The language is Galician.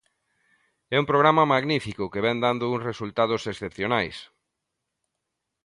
É un programa magnífico que vén dando uns resultados excepcionais.